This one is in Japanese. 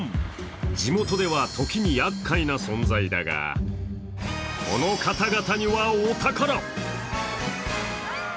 地元では時にやっかいな存在だが、この方々にはお宝。